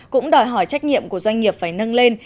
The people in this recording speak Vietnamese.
cũng đòi hỏi trách nhiệm của doanh nghiệp phải nâng lên